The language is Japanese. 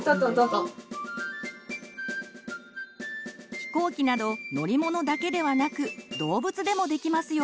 ひこうきなど乗り物だけではなく動物でもできますよ！